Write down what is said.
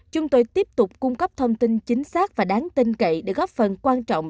chúng tôi tiếp tục cung cấp thông tin chính xác và đáng tin cậy để góp phần quan trọng